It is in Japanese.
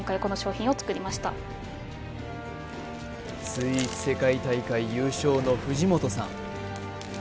スイーツ世界大会優勝の藤本さん